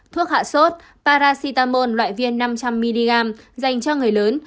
thuốc hạ sốt paracetamol loại viên năm trăm linh mg dành cho người lớn